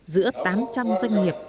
giữa tám trăm linh doanh nghiệp